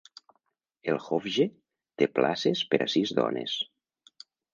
El hofje té places per a sis dones.